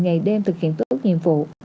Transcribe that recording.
ngày đêm thực hiện tốt nhiệm vụ